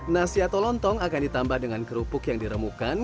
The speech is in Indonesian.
nasi atau lontong akan ditambah dengan kerupuk yang diremukan